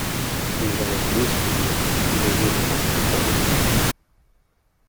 "Ujrzałem błysk noża i uderzyłem napastnika młotem."